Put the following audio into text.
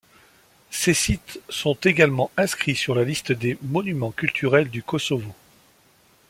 Ces sites sont également inscrits sur la liste des monuments culturels du Kosovo.